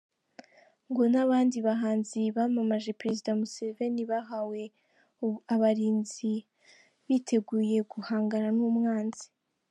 Ngo n’abandi bahanzi bamamaje Perezida Museveni bahawe abarinzi biteguye guhangana n’umwanzi.